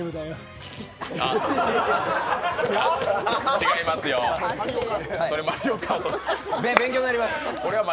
違いますよ、これ「マリオカート」です。